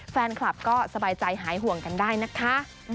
แฟนคลับก็สบายใจหายห่วงกันได้นะคะ